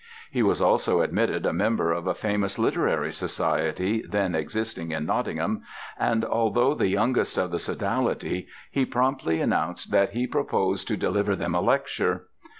He was also admitted a member of a famous literary society then existing in Nottingham, and although the youngest of the sodality he promptly announced that he proposed to deliver them a lecture.